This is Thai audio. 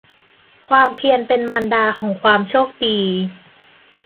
ความเพียรเป็นมารดาของความโชคดี